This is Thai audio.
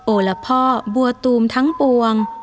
ละพ่อบัวตูมทั้งปวง